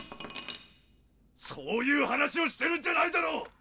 ・そういう話をしてるんじゃないだろ！